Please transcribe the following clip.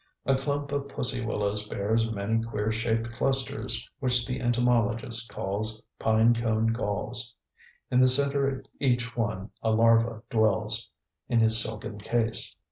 A clump of pussy willows bears many queer shaped clusters which the entomologist calls pine cone galls; in the center of each one a larva dwells in his silken case.